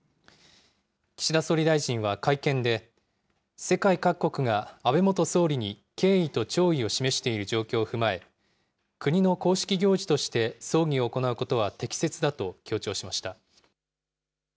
岸田総理大臣は会見で、世界各国が安倍元総理に敬意と弔意を示している状況を踏まえ、国の公式行事として葬儀を行うことは適切だと強調しました。